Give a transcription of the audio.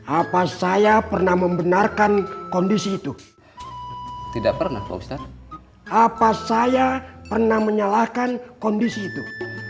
apa saya pernah membenarkan kondisi itu